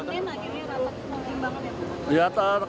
ini lagi ini rapat perkembangan ya